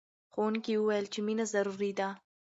ښوونکي وویل چې مینه ضروري ده.